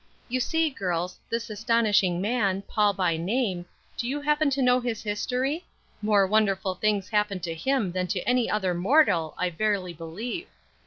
You see, girls, this astonishing man, Paul by name do you happen to know his history? more wonderful things happened to him than to any other mortal I verily believe.